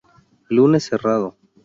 Lunes cerrado.